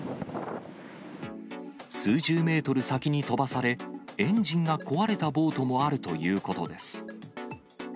数十メートル先に飛ばされ、エンジンが壊れたボートもあるということです。